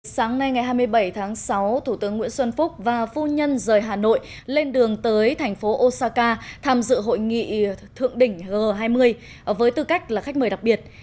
sáng nay ngày hai mươi bảy tháng sáu thủ tướng nguyễn xuân phúc và phu nhân rời hà nội lên đường tới thành phố osaka tham dự hội nghị thượng đỉnh g hai mươi với tư cách là khách mời đặc biệt